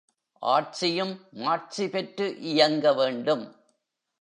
ஆட்சியும் மாட்சி பெற்று இயங்க வேண்டும்.